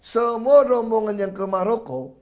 semua rombongan yang ke maroko